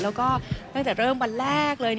แล้วก็ตั้งแต่เริ่มวันแรกเลย